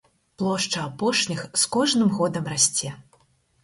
Плошча апошніх з кожным годам расце.